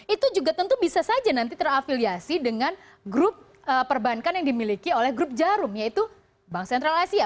itu juga tentu bisa saja nanti terafiliasi dengan grup perbankan yang dimiliki oleh grup jarum yaitu bank sentral asia